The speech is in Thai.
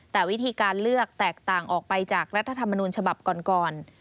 แต่วิธีการเลือกแตกต่างออกไปจากรัฐธรรมนูญฉบับก่อน